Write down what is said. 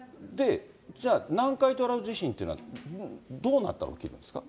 じゃあ、南海トラフ地震っていうのは、どうなったら起きるんですか？